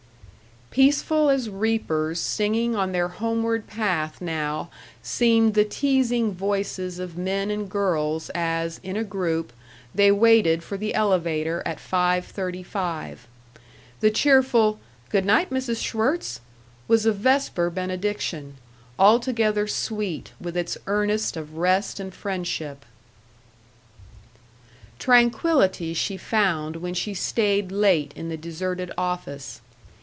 Peaceful as reapers singing on their homeward path now seemed the teasing voices of men and girls as, in a group, they waited for the elevator at five thirty five. The cheerful, "Good night, Mrs. Schwirtz!" was a vesper benediction, altogether sweet with its earnest of rest and friendship. Tranquillity she found when she stayed late in the deserted office.